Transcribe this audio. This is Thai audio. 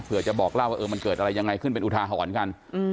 เพื่อจะบอกเล่าว่ามันเกิดอะไรยังไงขึ้นเป็นอุทาหรณ์กัน